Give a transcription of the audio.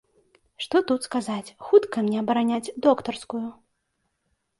Што тут сказаць, хутка мне абараняць доктарскую.